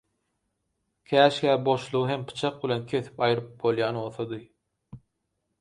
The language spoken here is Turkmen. Käşgä boşlugy hem pyçak bilen kesip aýryp bolýan bolsady.